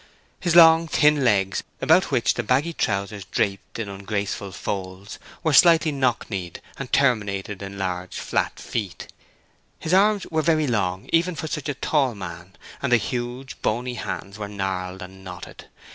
His long, thin legs, about which the baggy trousers draped in ungraceful folds, were slightly knock kneed and terminated in large, flat feet. His arms were very long even for such a tall man, and the huge, bony hands were gnarled and knotted.